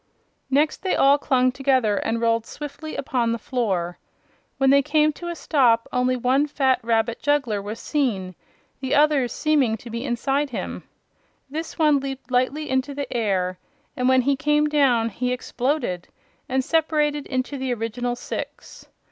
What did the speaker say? Next they all clung together and rolled swiftly upon the floor. When they came to a stop only one fat rabbit juggler was seen, the others seeming to be inside him. This one leaped lightly into the air and when he came down he exploded and separated into the original six.